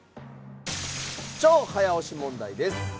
超早押し問題です。